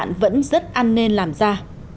súng đạn vẫn rất an ninh làm ra